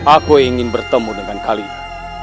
aku ingin bertemu dengan kalian